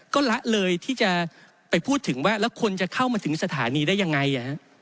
ก็ละเลยที่จะไปพูดถึงว่าแล้วคนจะเข้ามาถึงสถานีได้ยังไง